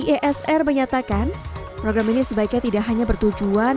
iesr menyatakan program ini sebaiknya tidak hanya bertujuan